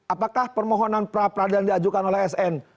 apakah permohonan pra peradilan diajukan oleh sn